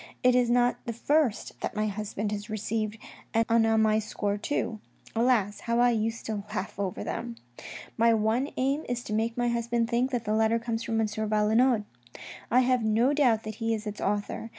It is not the first that my husband has received, and on my score too. Alas ! how I used to laugh over them !" My one aim is to make my husband think that the letter comes from M. Valenod ; I have no doubt that he is its author.